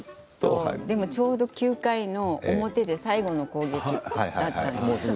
ちょうど９回の表で最後の攻撃だったんです。